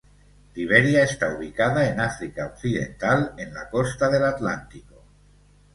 Liberia está ubicada en África Occidental en la costa del Atlántico.